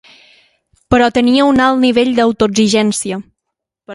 Però, tenia un alt nivell d'autoexigència.